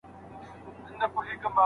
د مصنوعي ویډیوګانو نښې پېژندل سخت شوي.